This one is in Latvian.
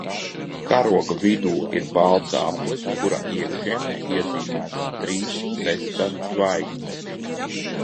Karoga vidū ir balts aplis, kura iekšienē iezīmētas trīs sešstaru zvaigznes.